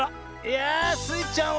いやあスイちゃん